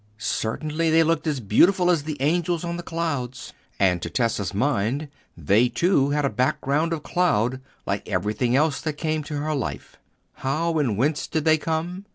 Certainly, they looked as beautiful as the angels on the clouds, and to Tessa's mind they too had a background of cloud, like everything else that came to her in life. How and whence did they come?